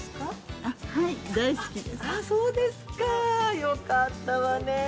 よかったわねえ。